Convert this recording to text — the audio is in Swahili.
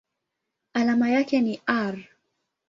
Alama yake ni Ar.